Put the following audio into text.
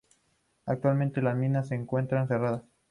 Actualmente las minas se encuentran cerradas.